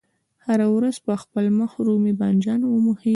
هره ورځ په خپل مخ رومي بانجان وموښئ.